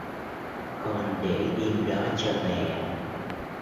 con để im đó cho mẹ